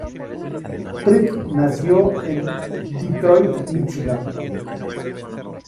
Trick nació en Detroit, Míchigan.